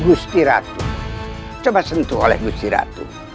gusti ratu coba sentuh oleh gusti ratu